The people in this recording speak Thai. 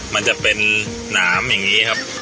มันจะเป็นหนามอย่างนี้ครับ